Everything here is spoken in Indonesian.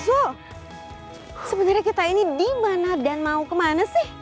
dan so sebenarnya kita ini dimana dan mau kemana sih